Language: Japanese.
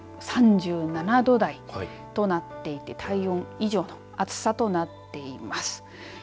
千葉県そして富山県３７度台となっていて体温以上の暑さとなっています。